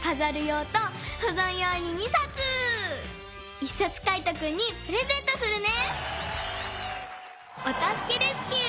１さつカイトくんにプレゼントするね！